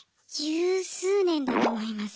１０数年だと思います。